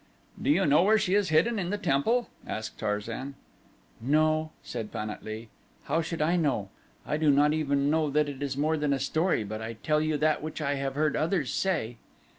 "Do you know where she is hidden in the temple?" asked Tarzan. "No," said Pan at lee. "How should I know? I do not even know that it is more than a story and I but tell you that which I have heard others say."